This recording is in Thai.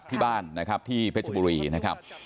ที่บ้านนะครับที่เพชรบุรีนะครับ